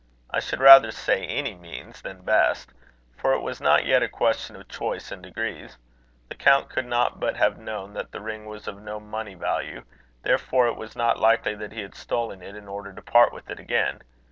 I should rather say any means than best; for it was not yet a question of choice and degrees. The count could not but have known that the ring was of no money value; therefore it was not likely that he had stolen it in order to part with it again.